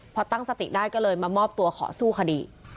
พอตั้งสติได้ก็เลยมามอบตัวขอสู้คดี